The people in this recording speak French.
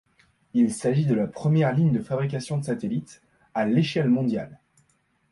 Il s’agit de la première ligne de fabrication de satellites à l’échelle mondiale.